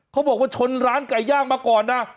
เขาบอกว่าชนร้านไก่ย่างมาก่อนนะ